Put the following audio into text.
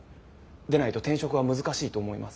でないと転職は難しいと思います。